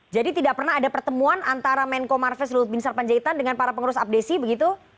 jadi tidak pernah ada pertemuan antara menko marfes lulut bin sarpanjaitan dengan para pengurus abdesi begitu